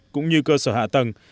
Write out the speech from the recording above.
cũng như cơ sở hạ tầng